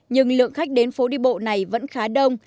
nhưng lượng khách đến phố đi bộ này vẫn khá đông